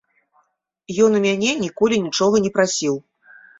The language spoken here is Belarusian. Ён у мяне ніколі нічога не прасіў!